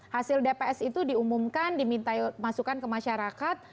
hasil dps itu diumumkan diminta masukan ke masyarakat